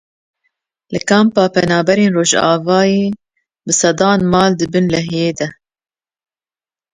Li kampa penaberên Rojavayî bi sedan mal di bin lehiyê de.